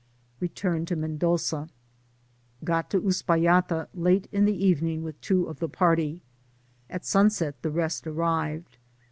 RETURN TO MENDOZA. Got to Uspallata late in the evening with two of Ibe partjjT ; ftt sunset the rest arrived.